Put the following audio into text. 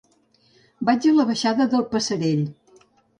Vaig a la baixada del Passerell.